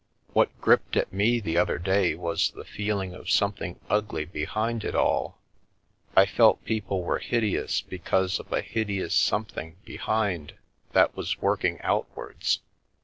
What gripped at me the other day was the feeling of something ugly behind it all. I felt people were hideous because of a hideous something behind that was work ing outwards.